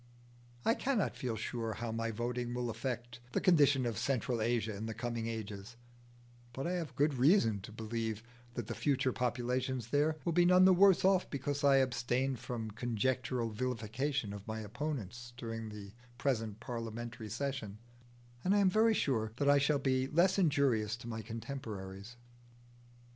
I cannot feel sure how my voting will affect the condition of Central Asia in the coming ages, but I have good reason to believe that the future populations there will be none the worse off because I abstain from conjectural vilification of my opponents during the present parliamentary session, and I am very sure that I shall be less injurious to my contemporaries.